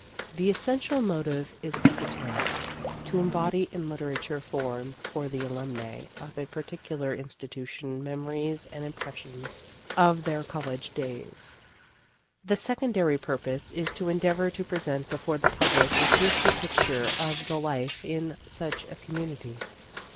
The essential motive is esoteric : to embody in literary form for the alumnae of a particular insti tution memories and impressions of their college days. The secondary purpose is to endeavor to present before the public a truthful picture of the life in such a community.